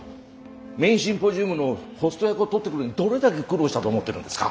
メインシンポジウムのホスト役を取ってくるのにどれだけ苦労したと思ってるんですか。